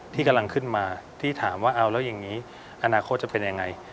ที่กำลังขึ้นมาที่ถามว่าเอาแล้วอย่างนี้อนาคตจะเป็นยังไง